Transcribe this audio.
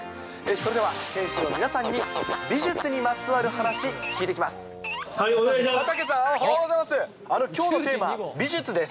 それでは選手の皆さんに美術にまつわる話、聞いていきます。